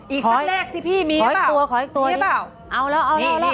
อีกสัตว์แรกสิพี่มีหรือเปล่ามีหรือเปล่า